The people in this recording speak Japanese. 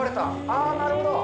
あー、なるほど。